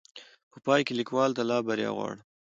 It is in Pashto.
په پاى کې ليکوال ته لا بريا غواړم